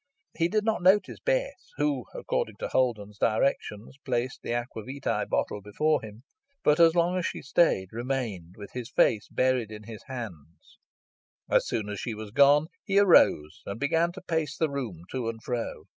He did not notice Bess, who, according to Holden's directions, placed the aquavitæ bottle before him, but, as long as she stayed, remained with his face buried in his hands. As soon as she was gone he arose, and began to pace the room to and fro.